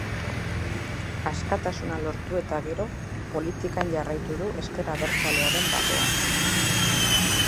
Askatasuna lortu eta gero politikan jarraitu du ezker abertzalearen barruan.